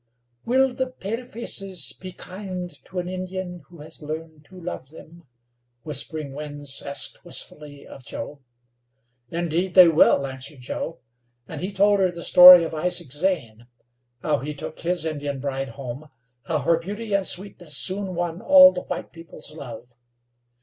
"Will the palefaces be kind to an Indian who has learned to love them?" Whispering Winds asked wistfully of Joe. "Indeed they will," answered Joe, and he told her the story of Isaac Zane; how he took his Indian bride home; how her beauty and sweetness soon won all the white people's love.